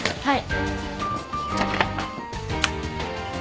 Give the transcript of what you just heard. はい。